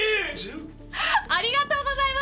ありがとうございます。